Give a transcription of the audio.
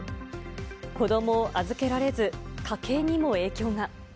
子どもを預けられず、家計にも影響が。